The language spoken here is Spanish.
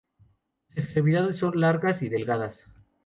Sus extremidades son largas y delgadas.